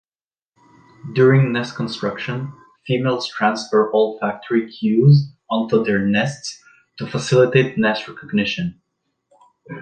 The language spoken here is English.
During nest construction, females transfer olfactory cues onto their nests to facilitate nest recognition.